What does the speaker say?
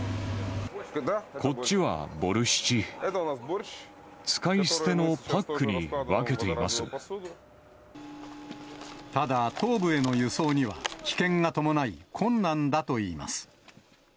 こっちはボルシチ、使い捨てただ、東部への輸送には危険が伴い、困難だといいます。